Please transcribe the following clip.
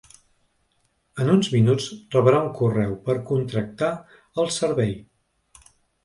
En uns minuts rebrà un correu per contractar el serei.